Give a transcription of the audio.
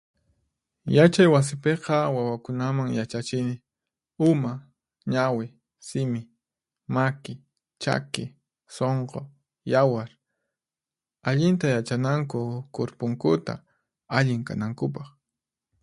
Yachay wasipiqa wawakunaman yachachini: uma, ñawi, simi, maki, chaki, sunqu, yawar. Allinta yachananku kurpunkuta, allin kanankupaq.